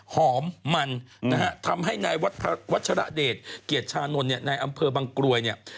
หอมมันทำให้ไหนวัชรเดศเกียรติชานนนไหนอำเภอบังกลวยเนี่ย